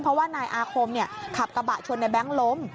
เพราะว่านายอาคมขับกระบะชนในแบงค์ล้ม